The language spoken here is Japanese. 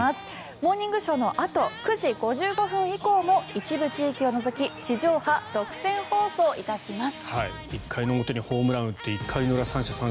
「モーニングショー」のあと９時５５分以降も一部地域を除き地上波独占放送いたします。